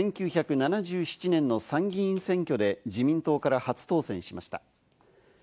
１９７７年の参議院選挙で自民党から初当選しました。